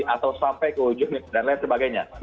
atau sampai ke ujung dan lain sebagainya